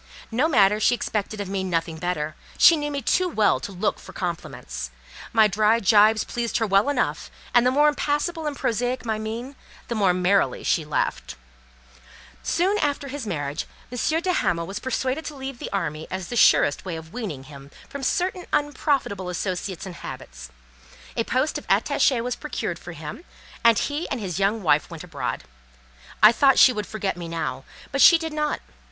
No matter she expected of me nothing better—she knew me too well to look for compliments—my dry gibes pleased her well enough and the more impassible and prosaic my mien, the more merrily she laughed. Soon after his marriage, M. de Hamal was persuaded to leave the army as the surest way of weaning him from certain unprofitable associates and habits; a post of attaché was procured for him, and he and his young wife went abroad. I thought she would forget me now, but she did not.